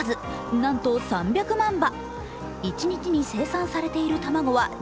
なんと３００万羽。